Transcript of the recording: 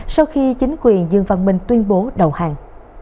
sau khi chính quyền dương văn minh tuyên bố đầu hàng